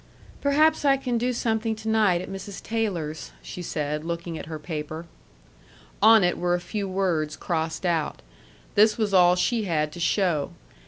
"Perhaps I can do something to night at Mrs. Taylor's," she said, looking at her paper. On it were a few words crossed out. This was all she had to show.